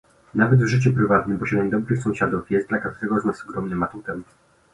Nawet w życiu prywatnym posiadanie dobrych sąsiadów jest dla każdego z nas ogromnym atutem